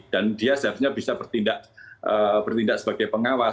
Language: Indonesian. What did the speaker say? dan dia seharusnya bisa bertindak sebagai pengawas